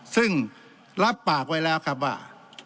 ซึ่งรับปากไว้แล้วครับว่า